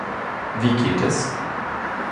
Wie geht es?